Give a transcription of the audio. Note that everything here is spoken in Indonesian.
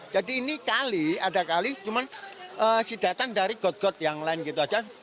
jadi ini kali ada kali cuman sidetan dari got got yang lain gitu aja